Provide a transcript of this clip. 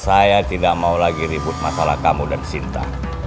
saya tidak mau lagi ribut masalah kamu dan sinta